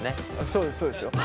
そうですそうですよ。